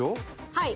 「はい」